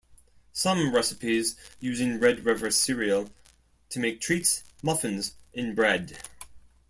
Some recipes using Red River Cereal to make treats, muffins, and bread.